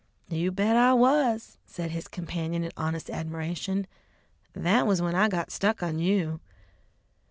"You bet I was," said his companion in honest admiration; "that was when I got stuck on you!"